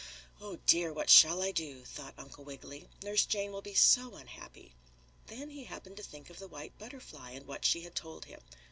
"Oh, dear! What shall I do?" thought Uncle Wiggily. "Nurse Jane will be so unhappy!" Then he happened to think of the white butterfly and what she had told him.